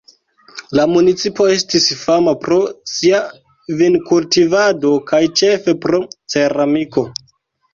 La municipo estis fama pro sia vinkultivado kaj ĉefe pro ceramiko.